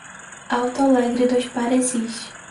Alto Alegre dos Parecis